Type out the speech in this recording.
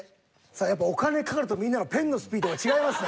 やっぱお金懸かるとみんなのペンのスピードが違いますね。